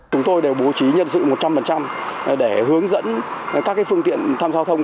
chúng tôi đều bố trí nhân sự một trăm linh để hướng dẫn các phương tiện thăm giao thông